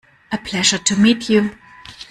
A pleasure to meet you.